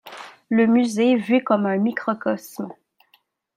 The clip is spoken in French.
Le musée vu comme un microcosme.